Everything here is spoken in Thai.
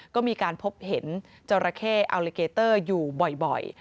ก็มีการพบเห็นจราเข้อัลลิเกเตอร์อยู่บ่อย